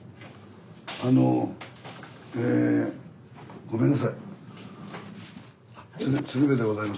あのえごめんなさい。